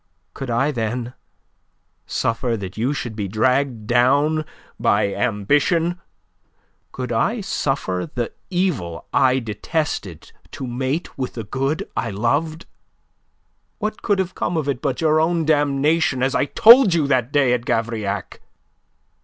Could I, then, suffer that you should be dragged down by ambition, could I suffer the evil I detested to mate with the good I loved? What could have come of it but your own damnation, as I told you that day at Gavrillac?